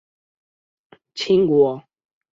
秦国趁机大举的进攻魏国的西河郡。